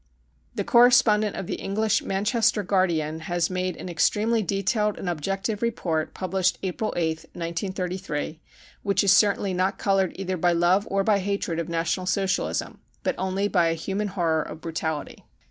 The correspondent of the English Manchester Guardian has made an extremely detailed and Objective report (published April 8th, 1933) which is certainly not coloured either by love or by hatred of national Socialism but only by a human horror of brutality.